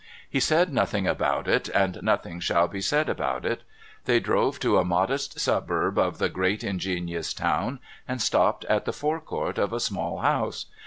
He said nothing about it, and nothing shall be said about it. They drove to a modest suburb of the great ingenious town, and stopped at the fore court of a small house.